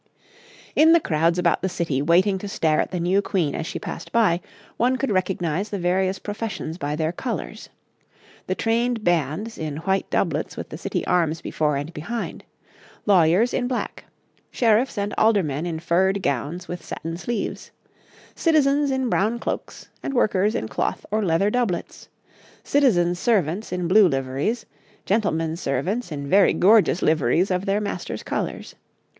In the crowds about the city waiting to stare at the new Queen as she passed by, one could recognise the various professions by their colours. The trained bands in white doublets with the City arms before and behind; lawyers in black; sheriffs and aldermen in furred gowns with satin sleeves; citizens in brown cloaks and workers in cloth or leather doublets; citizens' servants in blue liveries; gentlemen's servants in very gorgeous liveries of their masters' colours.